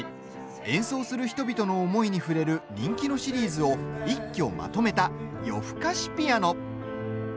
演奏する人々の思いに触れる人気のシリーズを一挙まとめた「夜ふかしピアノ」。